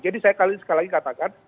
jadi saya sekali lagi katakan